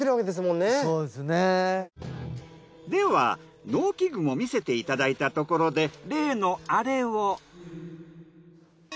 では農機具も見せていただいたところで。